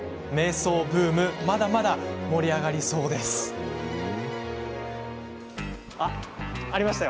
瞑想ブームまだまだ盛り上がりそうですよ。